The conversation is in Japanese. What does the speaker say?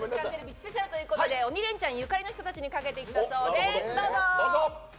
スペシャルということで「鬼レンチャン」ゆかりの人たちにかけてきたそうです。